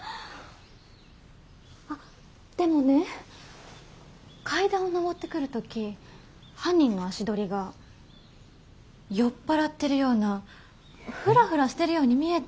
あっでもね階段を上ってくる時犯人の足取りが酔っ払ってるようなフラフラしてるように見えて。